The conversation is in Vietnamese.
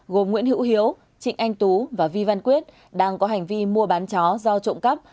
gồm nguyễn hữu hiếu trịnh anh tú và vi văn quyết đang có hành vi mua bán chó do trộm cắp